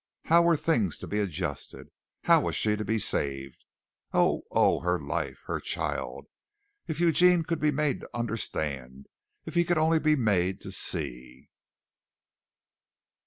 How were things to be adjusted? How was she to be saved? Oh! oh! her life, her child! If Eugene could be made to understand! If he could only be made to see!